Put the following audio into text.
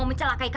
jadi apa genkikal